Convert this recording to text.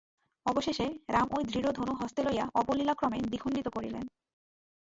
অবশেষে রাম ঐ দৃঢ় ধনু হস্তে লইয়া অবলীলাক্রমে দ্বিখণ্ডিত করিলেন।